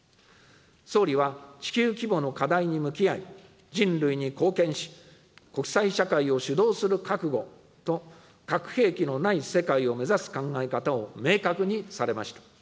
総理は地球規模の課題に向き合い、人類に貢献し、国際社会を主導する覚悟と核兵器のない世界を目指す考え方を明確にされました。